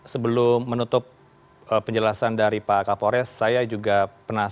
sebelum menutup penjelasan dari pak kapolres saya juga penasaran